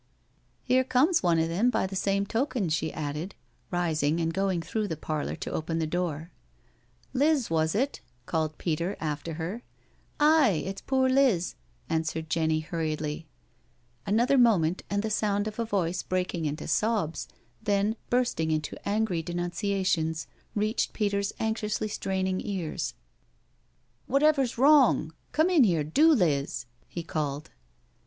" Here comes one o' them by the same token," she added, rising and going through the parlour to open the door, " Liz, was it?" called Peter after her. " Aye— it's poor Liz," answered Jenny hurriedly. Another moment and the sound of a voice breaking into sobs, then bursting into angry denunciations, reached Peter's anxiously straining ears. " Wotever's wrong? Come in here do, Liz," he called.